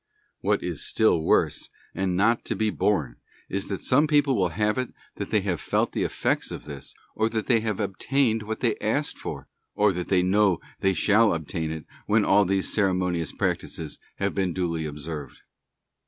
What is still worse, and not to be borne, is, that some people will have it that they have felt the effects of this, or that they have obtained what they asked for, or that they know they shall obtain it when all these ceremonious practices have been duly observed.